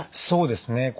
そうですね。